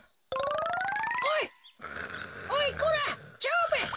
おいおいこら蝶兵衛。